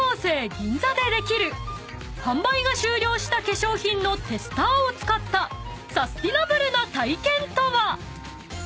銀座でできる販売が終了した化粧品のテスターを使ったサスティナブルな体験とは？］